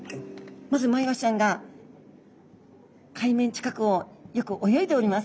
まずマイワシちゃんが海面近くをよく泳いでおります。